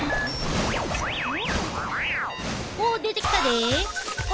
おっ出てきたで！